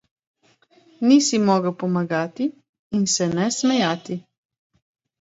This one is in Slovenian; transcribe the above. Ni si mogel pomagati in se ne smejati.